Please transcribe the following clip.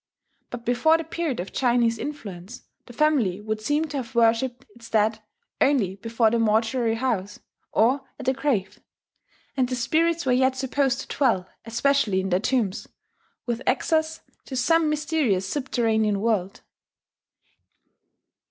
But before the period of Chinese influence the family would seem to have worshipped its dead only before the mortuary house, or at the grave; and the spirits were yet supposed to dwell especially in their tombs, with access to some mysterious subterranean world.